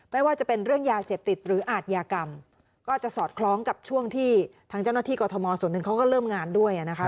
ไม่ว่าจะเป็นเรื่องยาเสพติดหรืออาทยากรรมก็จะสอดคล้องกับช่วงที่ทางเจ้าหน้าที่กรทมส่วนหนึ่งเขาก็เริ่มงานด้วยนะคะ